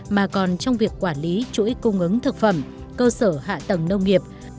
mà còn trong việc quản lý chuỗi cung ứng thực phẩm cơ sở hạ tầng nông nghiệp